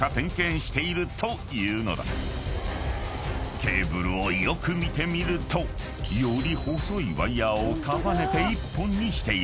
［ケーブルをよく見てみるとより細いワイヤを束ねて１本にしている］